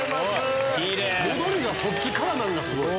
戻りがそっちからなんがすごい！